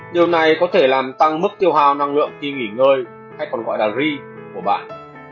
điều này có thể làm tăng mức tiêu hào năng lượng khi nghỉ ngơi hay còn gọi là re của bạn